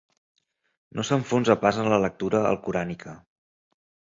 No s'enfonsa pas en la lectura alcorànica.